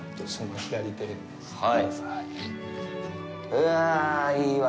うわ、いいわ。